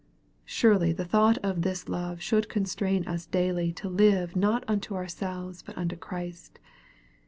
Surely the thought of this love should constrain us daily to live not unto ourselves, but unto Christ.